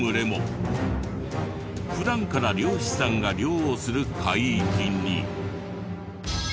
普段から漁師さんが漁をする海域に。